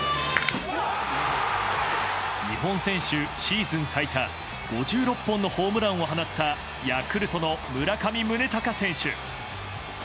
日本選手シーズン最多５６本のホームランを放ったヤクルトの村上宗隆選手。